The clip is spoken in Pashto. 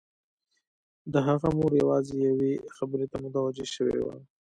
د هغه مور یوازې یوې خبرې ته متوجه شوې وه